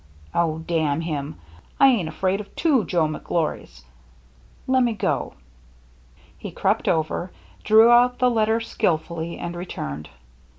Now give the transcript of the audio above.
" Oh, damn him ! I ain't afraid of two Joe McGlorys. Lemme go." He crept over, drew out the letter skilfully, and re turned.